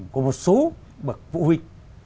của một số bậc phụ huynh